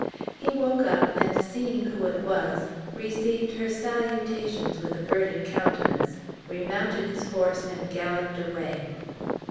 He woke up, and, seeing who it was, received her salutations with averted countenance, remounted his horse, and galloped away.